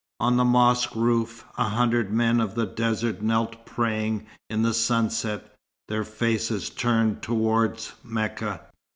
On the mosque roof a hundred men of the desert knelt praying in the sunset, their faces turned towards Mecca.